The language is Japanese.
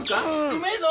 うめえぞ！